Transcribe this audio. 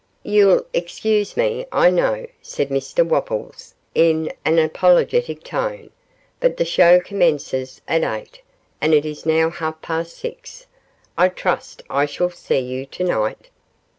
'You'll excuse me, I know,' said Mr Wopples, in an apologetic tone, 'but the show commences at eight, and it is now half past six. I trust I shall see you tonight.